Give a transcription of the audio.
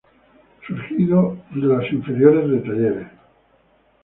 Surgido de las inferiores de Talleres.